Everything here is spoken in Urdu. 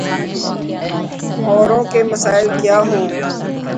اوروں کے مسائل کیا ہوں۔